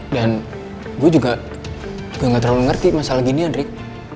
dan gue juga gak terlalu ngerti masalah ginian rik